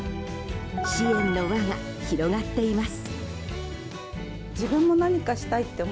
支援の輪が広がっています。